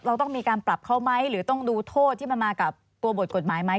เราต้องมีการปรับเขาไหมหรือต้องดูโทษที่มันมากับตัวบทกฎหมายไหม